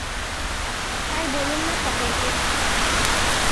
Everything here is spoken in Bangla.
তাই বলুন না সকলকে?